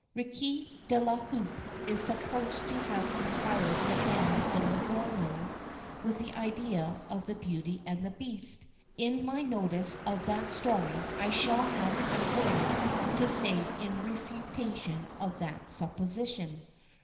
Riquet à la Houpe is supposed to have inspired Madame de Villeneuve with the idea of the Beauty and the Beast. In my notice of that story, I shall have a word to say in refutation of that supposition.